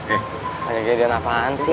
eh kejadian apaan sih